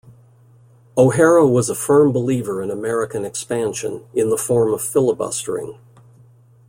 O'Hara was a firm believer in American expansion, in the form of filibustering.